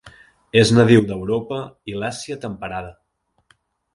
És nadiu d'Europa i l'Àsia temperada.